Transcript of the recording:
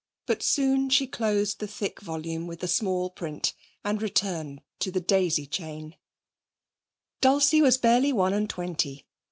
But soon she closed the thick volume with the small print and returned to The Daisy Chain. Dulcie was barely one and twenty.